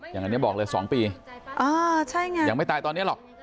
อย่างนี้บอกเลย๒ปียังไม่ตายตอนนี้หรอก